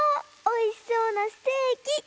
おいしそうなステーキ！